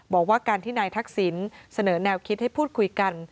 บอกว่าการที่นายทักษิณเสนอแนวคิดให้พูดคุยกัน